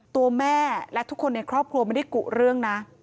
ตัวแม่และทุกคนในครอบครัวไม่ได้กุเรื่องนะ